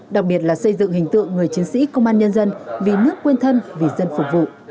đặc biệt là xây dựng hình tượng người chiến sĩ công an nhân dân vì nước quên thân vì dân phục vụ